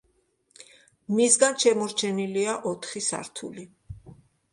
მისგან შემორჩენილია ოთხი სართული.